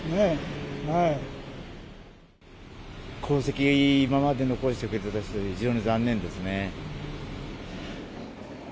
功績、今まで残してくれた人で、非常に残念ですね。